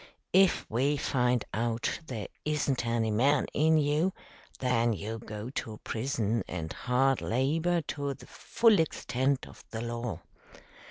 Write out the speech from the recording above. If we find out there isn't any man in you, then you go to prison and hard labor to the full extent of the law.